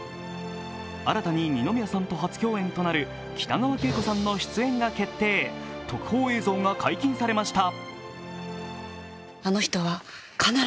新たに二宮さんと初共演となる北川景子さんの出演が決定、特報映像が解禁されました。